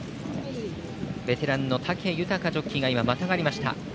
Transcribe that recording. ベテランの武豊ジョッキーがまたがりました。